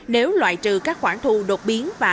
nếu loại trừ các khoản thu đột biến và